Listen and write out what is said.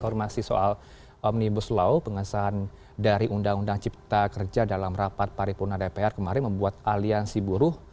informasi soal omnibus law pengesahan dari undang undang cipta kerja dalam rapat paripurna dpr kemarin membuat aliansi buruh